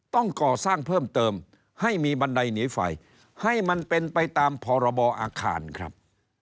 ต้องก่อสร้างเพิ่มเติมให้มีบันไดหนีไฟให้มันเป็นไปตามพรบอาคารครับ